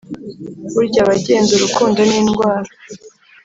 burya bagenzi urukundo ni indwara